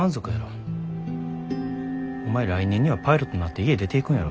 お前来年にはパイロットになって家出ていくんやろ。